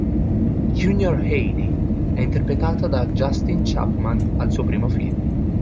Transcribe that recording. Junior Healy è interpretato da Justin Chapman al suo primo film.